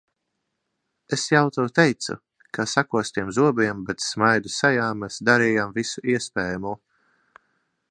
Es jau tev teicu, ka sakostiem zobiem, bet smaidu sejā mēs darījām visu iespējamo.